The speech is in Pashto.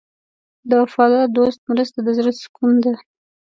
د وفادار دوست مرسته د زړه سکون ده.